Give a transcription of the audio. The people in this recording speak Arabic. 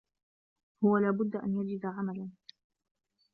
هوَ لابد أن يجد عملاً.